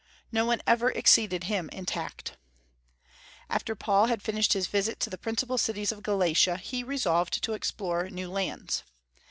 No one ever exceeded him in tact. After Paul had finished his visit to the principal cities of Galatia, he resolved to explore new lands.